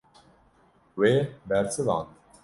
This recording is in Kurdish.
Wê bersivand.